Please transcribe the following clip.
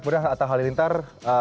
kemudian ata halilintar